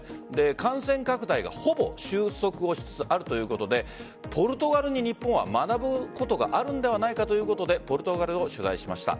感染拡大がほぼ収束をしつつあるということでポルトガルに日本が学ぶことはあるのではないかということでポルトガルを取材しました。